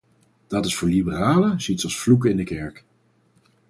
Dat is voor liberalen zoiets als vloeken in de kerk.